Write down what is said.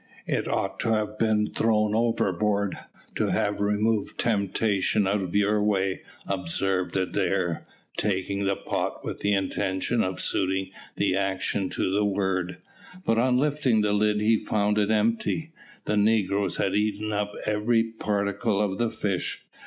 "It ought to have been thrown overboard, to have removed temptation out of your way," observed Adair, taking the pot with the intention of suiting the action to the word, but on lifting the lid he found it empty. The negroes had eaten up every particle of the fish.